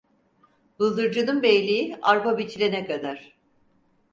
Bıldırcının beyliği arpa biçilene kadar.